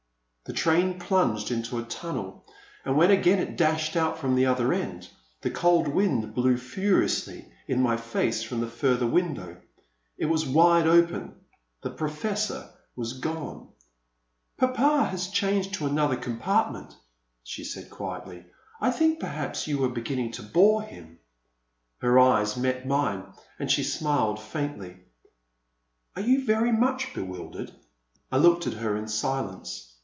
'*— The train plunged into a tunnel, and when again it dashed out from the other end, the cold wind blew furiously in my face from the further window. It was wide open ; the Professor was gone. *' Papa has changed to another compartment," she said, quietly ;I think perhaps you were beginning to bore him." Her eyes met mine and she smiled faintly. Are you very much bewildered ?" I looked at her in silence.